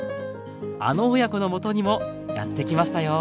あの親子のもとにもやって来ましたよ。